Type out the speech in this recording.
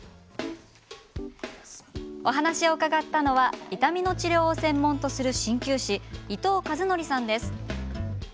お話を伺ったのは痛みの治療を専門とするしんきゅう師、伊藤和憲さんです。